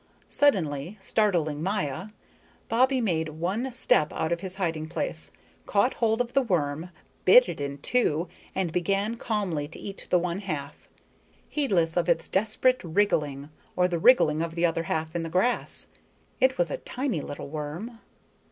Suddenly, startling Maya, Bobbie made one step out of his hiding place, caught hold of the worm, bit it in two, and began calmly to eat the one half, heedless of its desperate wriggling or the wriggling of the other half in the grass. It was a tiny little worm.